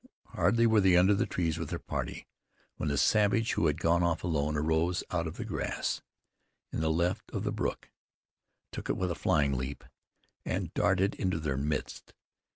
Hardly were they under the trees with their party, when the savage who had gone off alone arose out of the grass in the left of the brook, took it with a flying leap, and darted into their midst.